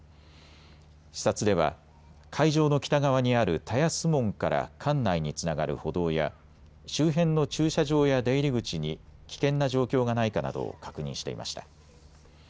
視察では会場の北側にある田安門から館内につながる歩道や周辺の駐車場や出入り口に危険な状況がないかなどを確認していました。